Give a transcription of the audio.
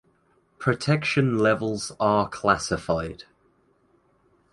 Protection levels are classified.